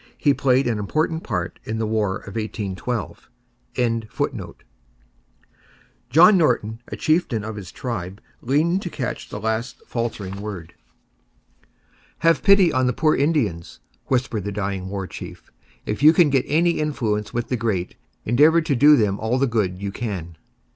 He played an important part in the War of 1812.] a chieftain of his tribe, leaned to catch the last faltering word. 'Have pity on the poor Indians,' whispered the dying War Chief; 'if you can get any influence with the great, endeavour to do them all the good you can.'